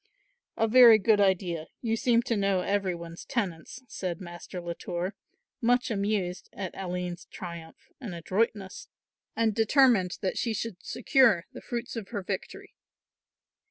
"A very good idea; you seem to know every one's tenants," said Master Latour, much amused at Aline's triumph and adroitness, and determined that she should secure the fruits of her victory.